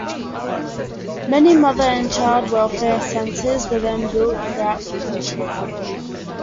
Many mother and child welfare centres were then built throughout the country.